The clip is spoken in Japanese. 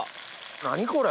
何これ。